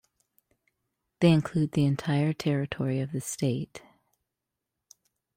They include the entire territory of the state.